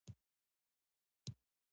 مچمچۍ د هر کندو ځانګړېندنه لري